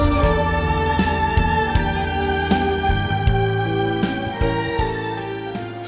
kamu gak yakin